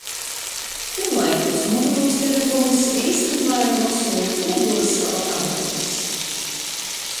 Tymlaikūs mobilūs teleponus eistyn vaira nosuoja kulduos aba kabatuos.